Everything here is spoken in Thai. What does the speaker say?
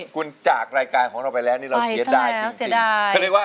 คุณจากรายการคนเราไปแล้วละนี้